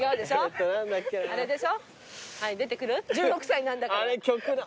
１６歳なんだけど。